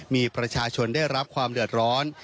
มีประชาชนได้รับความเดือดร้อน